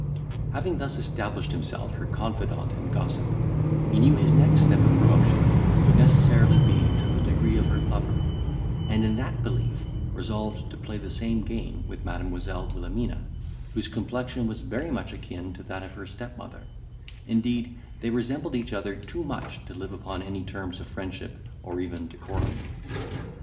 Having thus established himself her confidant and gossip, he knew his next step of promotion would necessarily be to the degree of her lover; and in that belief resolved to play the same game with Mademoiselle Wilhelmina, whose complexion was very much akin to that of her stepmother; indeed they resembled each other too much to live upon any terms of friendship or even decorum.